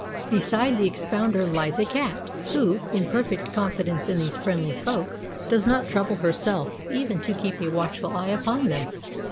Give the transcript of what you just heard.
Beside the ex pounder lies a cat, who, in perfect confidence in these friendly folk, does not trouble herself even to keep a watchful eye upon them.